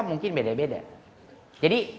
mungkin beda beda jadi